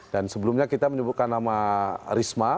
dan sebelumnya kita menyebutkan nama risma